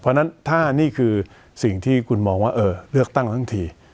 เพราะฉะนั้นถ้านี่คือสิ่งที่คุณมองว่าเออเลือกตั้งทั้งที